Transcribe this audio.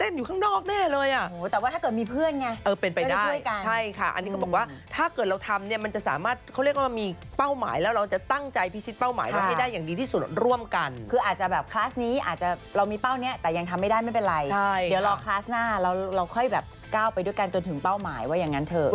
สูงสุดส่งประสิทธิภาพสูงสุด